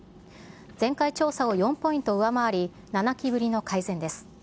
前回調査を４ポイント上回り、７期ぶりの改善です。